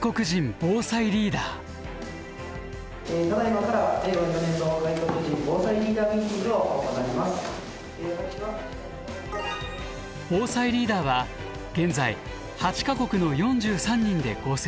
防災リーダーは現在８か国の４３人で構成されています。